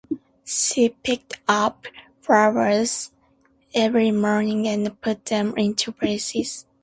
She picked up flowers every morning and put them into vases.